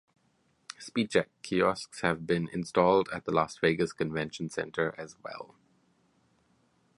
SpeedCheck kiosks have been installed at the Las Vegas Convention Center as well.